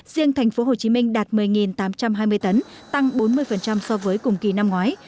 riêng thành phố hồ chí minh đạt một mươi tám trăm hai mươi tấn tăng bốn mươi so với cùng kỳ năm ngoái